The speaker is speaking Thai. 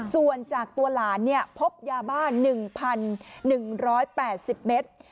ส่วนจากตัวหลานพบยาบ้า๑๑๘๐เมตร